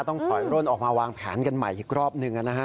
ต้องถอยร่นออกมาวางแผนกันใหม่อีกรอบหนึ่งนะฮะ